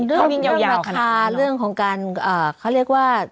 เรื่องราคาเรื่องของการเขาเรียกว่า